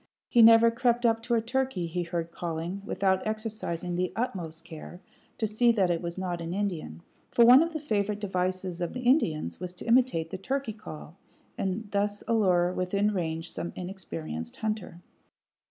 He never crept up to a turkey he heard calling, without exercising the utmost care to see that it was not an Indian; for one of the favorite devices of the Indians was to imitate the turkey call, and thus allure within range some inexperienced hunter.